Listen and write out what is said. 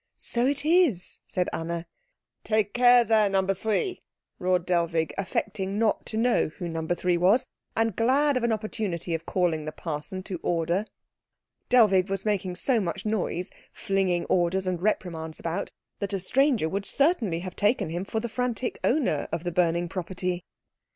"So it is," said Anna. "Take care there, No. 3!" roared Dellwig, affecting not to know who No. 3 was, and glad of an opportunity of calling the parson to order. Dellwig was making so much noise flinging orders and reprimands about, that a stranger would certainly have taken him for the frantic owner of the burning property.